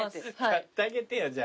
買ったげてよじゃあ。